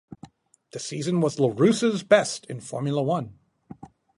The season was Larrousse's best in Formula One.